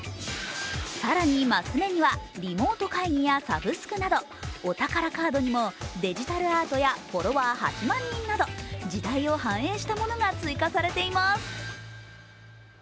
更に、マス目には、リモート会議やサブスクなどお宝カードにも、デジタルアートやフォロワー８万人など時代を反映したものが追加されています。